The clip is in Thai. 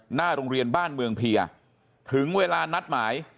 หน้าโรงเรียนบ้านเมืองเพียถึงเวลานัดหมาย